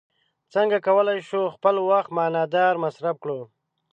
څنګه کولی شو خپل وخت معنا داره مصرف کړو.